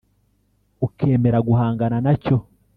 ukemera guhangana na cyo